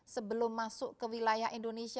sebelum masuk ke wilayah indonesia